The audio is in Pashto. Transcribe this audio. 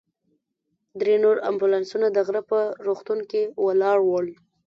درې نور امبولانسونه د غره په روغتون کې ولاړ ول.